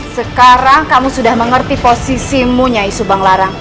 sekarang kamu sudah mengerti yang saya katakan